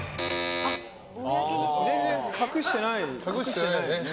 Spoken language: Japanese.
全然隠してないですよ。